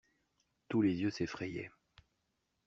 Tous les yeux s'effrayaient.